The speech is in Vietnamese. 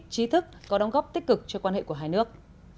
trí thức có đóng góp tích cực cho quan hệ của hai nước